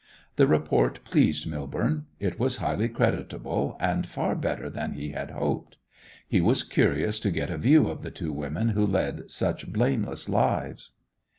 The report pleased Millborne; it was highly creditable, and far better than he had hoped. He was curious to get a view of the two women who led such blameless lives.